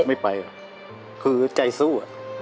ไม่ไปคือใจสู้